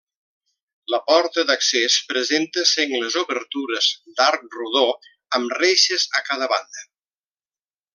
La porta d'accés presenta sengles obertures d'arc rodó amb reixes a cada banda.